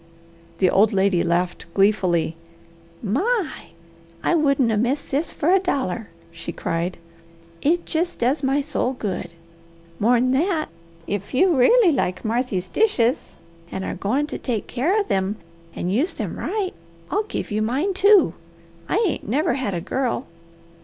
The old lady laughed gleefully. "My! I wouldn't 'a' missed this for a dollar," she cried. "It jest does my soul good. More'n that, if you really like Marthy's dishes and are going to take care of them and use them right, I'll give you mine, too. I ain't never had a girl.